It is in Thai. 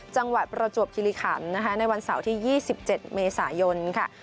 จังหวัดประจวบกิริขันฯในวันเสาร์ที่๒๗เมษายนค่ะ